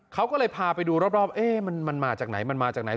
เขาก็เลยพาไปดูรอบเอ๊ะมันมาจากไหนมันมาจากไหน